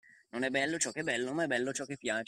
Non è bello ciò che è bello ma è bello ciò che piace.